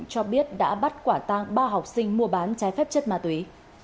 cho biết đã bắt quả tang ba học sinh mua bán trái phép chất ma túy